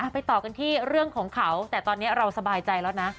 ไปต่อกันที่เรื่องของเขาแต่ตอนนี้เราสบายใจแล้วนะ